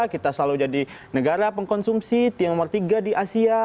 kita selalu jadi negara pengkonsumsi tim nomor tiga di asia